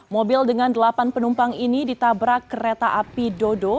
mobil dengan delapan penumpang ini ditabrak kereta api dodo